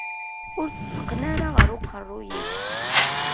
Ur tt-tteqqen ara ɣer uqerruy-ik.